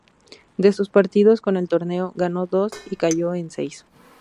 De sus partidos en el torneo, ganó dos y cayó en seis.